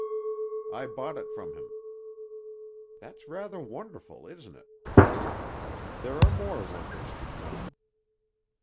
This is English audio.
I bought it from him." "That's rather wonderful, isn't it?" "There are more wonders to come.